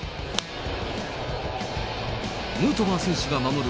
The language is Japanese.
ヌートバー選手が守る